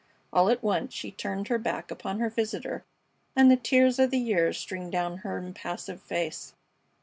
All at once she turned her back upon her visitor and the tears of the years streamed down her impassive face.